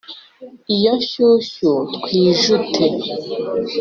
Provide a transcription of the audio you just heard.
iyo nshyushyu twijute.